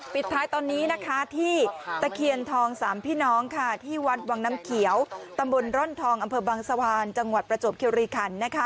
ปิดท้ายตอนนี้ที่ตะเขียนทอง๓ผู้น้องที่วัดวังน้ำเขียวตมวลร่อนทองอำเภอบางสวรรค์จังหวัดประจบเคลวิคัน